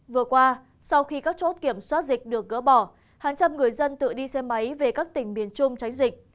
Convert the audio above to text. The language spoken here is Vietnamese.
vừa qua sau khi các chốt kiểm soát dịch được gỡ bỏ hàng trăm người dân tự đi xe máy về các tỉnh miền trung tránh dịch